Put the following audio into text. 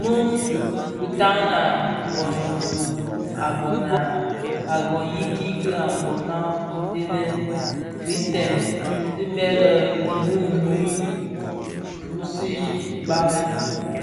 Muu bitaň a mbono dhi agon I kiiki a Mbona ndhenèn kitsè dhi bè lè Iring ñyi fusii barèn.